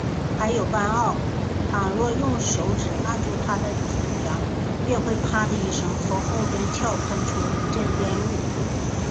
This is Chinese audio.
还有斑蝥，倘若用手指按住它的脊梁，便会啪的一声，从后窍喷出一阵烟雾